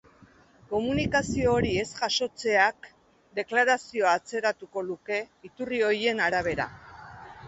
Komunikazio hori ez jasotzeak deklarazioa atzeratuko luke, iturri horien arabera.